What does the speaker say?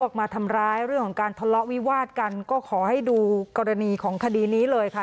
ออกมาทำร้ายเรื่องของการทะเลาะวิวาดกันก็ขอให้ดูกรณีของคดีนี้เลยค่ะ